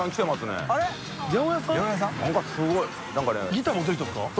ギター持ってる人ですか？